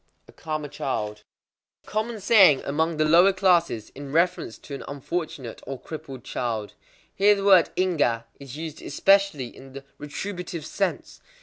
_ A karma child. A common saying among the lower classes in reference to an unfortunate or crippled child. Here the word ingwa is used especially in the retributive sense.